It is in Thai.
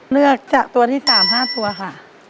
เลือกจากตัวที่๓๕ตัวค่ะ